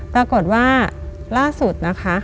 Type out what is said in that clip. ปรากฏว่าล่าสุด